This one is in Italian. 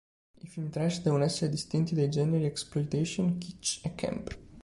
I film trash devono essere distinti dai generi exploitation, kitsch e camp.